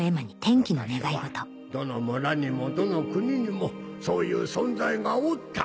昔はどの村にもどの国にもそういう存在がおった。